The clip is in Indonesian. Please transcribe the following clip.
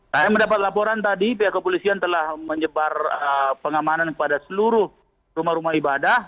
saya mendapat laporan tadi pihak kepolisian telah menyebar pengamanan kepada seluruh rumah rumah ibadah